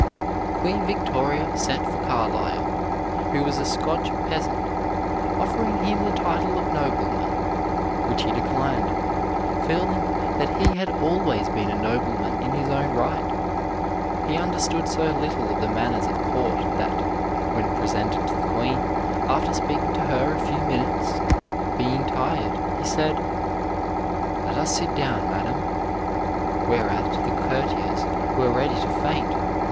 Queen Victoria sent for Carlyle, who was a Scotch peasant, offering him the title of nobleman, which he declined, feeling that he had always been a nobleman in his own right. He understood so little of the manners at court that, when presented to the Queen, after speaking to her a few minutes, being tired, he said, "Let us sit down, madam;" whereat the courtiers were ready to faint.